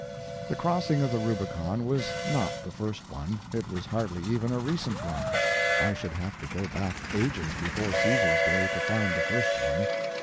The crossing of the Rubicon was not the first one, it was hardly even a recent one; I should have to go back ages before Caesar's day to find the first one.